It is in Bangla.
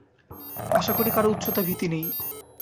আশা করি কারো উচ্চতা ভীতি নেই।